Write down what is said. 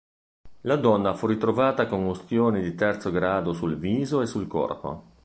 La donna fu ritrovata con ustioni di terzo grado sul viso e sul corpo.